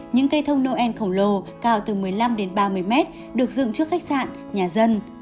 những cây thông noel khổng lồ cao từ một mươi năm đến ba mươi mét được dựng trước khách sạn nhà dân